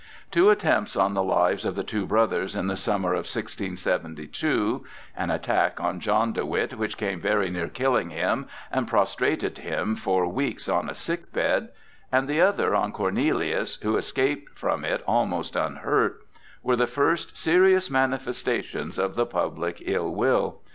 Two attempts on the lives of the two brothers in the summer of 1672—an attack on John de Witt which came very near killing him and prostrated him for weeks on a sick bed, and the other on Cornelius, who escaped from it almost unhurt—were the first serious manifestations of the public ill will.